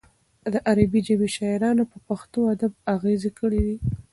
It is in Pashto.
د عربي ژبې شاعرانو په پښتو ادب اغېز کړی دی.